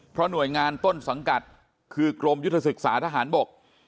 เพราะหน่วยงานต้นสังกัดคือกรมยุทธศึกษาทหารบก